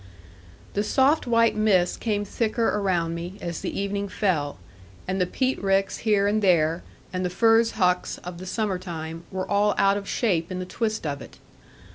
The soft white mist came thicker around me, as the evening fell; and the peat ricks here and there, and the furze hucks of the summer time, were all out of shape in the twist of it.